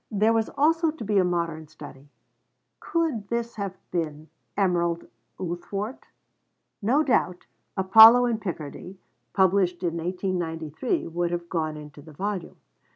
There was also to be a modern study: could this have been Emerald Uthwart? No doubt Apollo in Picardy, published in 1893, would have gone into the volume.